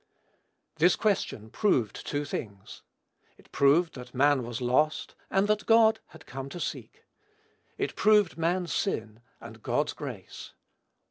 This question proved two things. It proved that man was lost, and that God had come to seek. It proved man's sin, and God's grace.